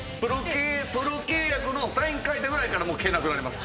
プロ契約のサイン書いたぐらいからもう毛なくなります。